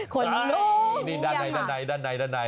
ขนลุ้มรู้ไหมคะด้านใด